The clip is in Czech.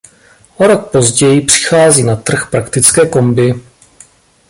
O rok později přichází na trh praktické kombi.